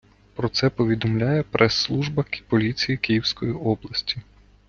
Про це повідомляє прес-служба поліції Київської області.